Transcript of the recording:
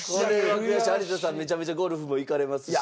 有田さんめちゃめちゃゴルフも行かれますし。